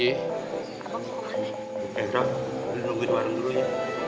eh raff nungguin warung dulu ya